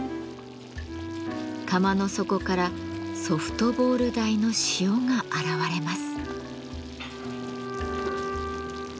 釜の底からソフトボール大の塩が現れます。